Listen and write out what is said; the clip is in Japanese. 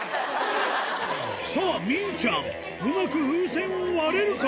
さぁみーちゃんうまく風船を割れるか？